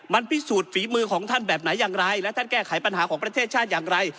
มันพิสูจน์ฝีมือของท่านแบบไหนอย่างไรและท่านแก้ไขปัญหาของประเทศชาติอย่างไร